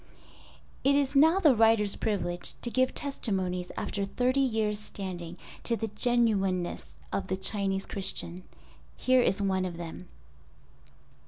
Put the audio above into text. It is now the writer's privilege to give testimonies after thirty years standing, to the genuineness of the Chinese Christian—here is one of them.